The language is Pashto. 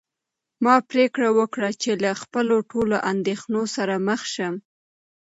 ما پرېکړه وکړه چې له خپلو ټولو اندېښنو سره مخ شم.